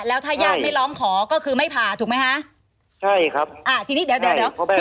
แล้วถ้าญาติไม่ร้องขอก็คือไม่ผ่าถูกไหมคะใช่ครับอ่าทีนี้เดี๋ยวเดี๋ยว